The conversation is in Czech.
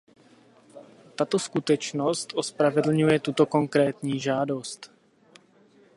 Tato skutečnost ospravedlňuje tuto konkrétní žádost.